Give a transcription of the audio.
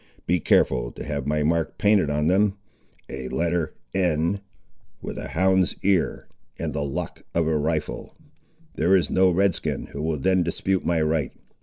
Be careful to have my mark painted on them; a letter N, with a hound's ear, and the lock of a rifle. There is no Red skin who will then dispute my right.